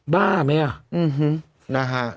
บ้าไหมอ่ะอืมฮืมนะฮะ